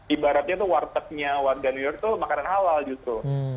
ibaratnya tuh wartegnya warga new york itu makanan halal justru